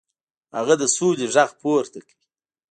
هغه د سولې غږ پورته کړ.